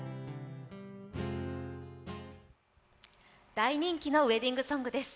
大人気のウエディングソングです。